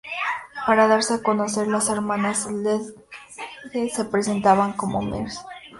Para darse a conocer, las hermanas Sledge se presentaban como "Mrs.